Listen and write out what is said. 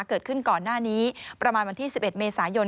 เกิดขึ้นก่อนหน้านี้ประมาณวันที่๑๑เมษายน